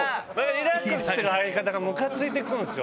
リラックスしてる相方がむかついてくるんですよ。